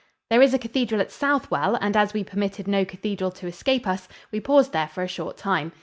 There is a cathedral at Southwell, and as we permitted no cathedral to escape us, we paused there for a short time.